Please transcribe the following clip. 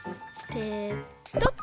ペトッ。